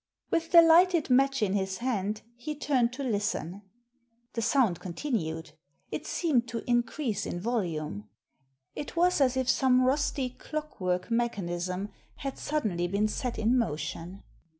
With the lighted match in his hand he turned to listen. The sound continued — it seemed to increase in volume. It was as if some rusty clockwork mechanism had suddenly been set in motion.